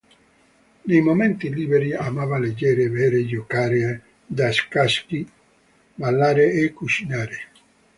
Nei momenti liberi amava leggere, bere, giocare a scacchi, ballare e cucinare.